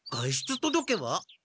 外出とどけは？